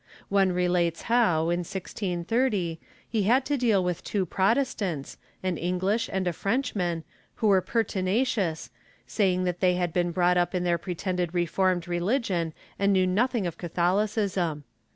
One relates how, in 1630, he had to deal with two Protestants, an Englishman and a Frenchman, who were pertinacious, saying that they had been brought up in their pretended reformed religion and knew nothing of Catholicism.